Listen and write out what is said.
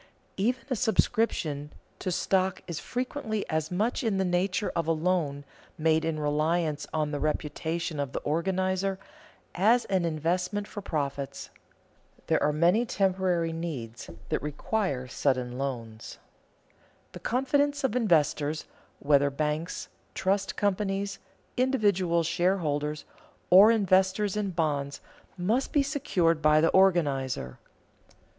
Even a subscription to stock is frequently as much in the nature of a loan, made in reliance on the reputation of the organizer, as an investment for profits. There are many temporary needs that require sudden loans. The confidence of investors, whether banks, trust companies, individual shareholders or investors in bonds, must be secured by the organizer.